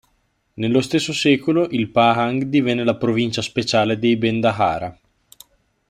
Nello stesso secolo, il Pahang divenne la provincia speciale dei bendahara.